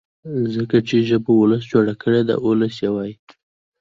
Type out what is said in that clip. ځکه چي ژبه ولس جوړه کړې ده او ولس يې وايي.